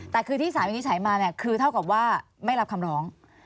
แต่คือที่สารวินิจฉัยมาเนี่ยคือเท่ากับว่าไม่รับคำร้อง